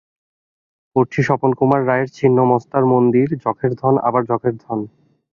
পড়ছি স্বপন কুমার রায়ের ছিন্ন মস্তার মন্দির, যখের ধন, আবার যখের ধন।